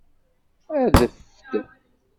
Adef-d.